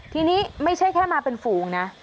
ทีนี้ไม่ใช่แค่มาเป็นฝูงนะ